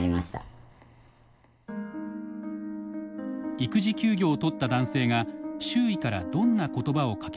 育児休業を取った男性が周囲からどんな言葉をかけられたのか。